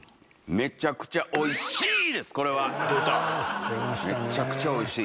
めっちゃくちゃおいしい。